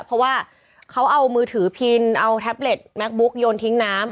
เพราะว่าเขาเอามือถือพินเอาแท็บเล็ตแม็กบุ๊กโยนทิ้งน้ำ